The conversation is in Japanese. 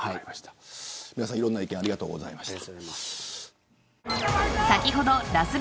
皆さん、いろんな意見ありがとうございました。